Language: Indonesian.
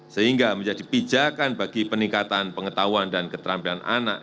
sehingga menjadi pijakan bagi peningkatan pengetahuan dan keterampilan anak